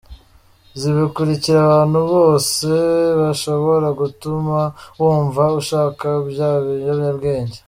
Zibukira abantu bose bashobora gutuma wumva ushaka bya biyobwabwenge!.